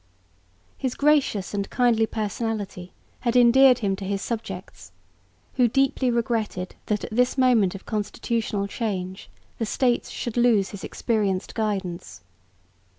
His gracious and kindly personality had endeared him to his subjects, who deeply regretted that at this moment of constitutional change the States should lose his experienced guidance.